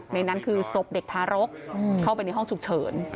ในนั้นคือศพเด็กทารกเข้าไปในห้องฉุกเฉิน